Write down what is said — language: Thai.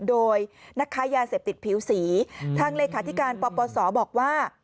โดยนักค้ายาเสพติดผิวสีทางเลขาธิการปปศบอกว่า